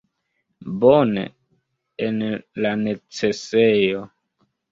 Bone, en la necesejo.